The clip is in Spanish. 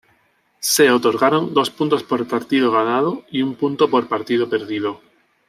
Se otorgaron dos puntos por partido ganado y un punto por partido perdido.